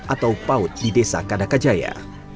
atau paut di desa kadakajaya